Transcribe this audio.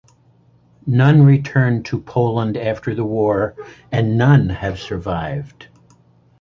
None returned to Poland after the war, and none have survived.